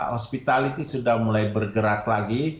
hospitality sudah mulai bergerak lagi